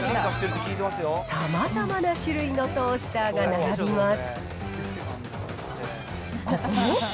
さまざまな種類のトースターが並びます。